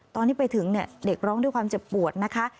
ตอนที่ไปถึงเด็กร้องด้วยความเจ็บปวดนะคะ